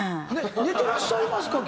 寝てらっしゃいますか？